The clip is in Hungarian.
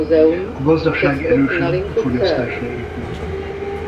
A gazdaság erősen a fogyasztásra épül.